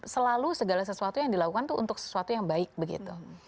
selalu segala sesuatu yang dilakukan itu untuk sesuatu yang baik begitu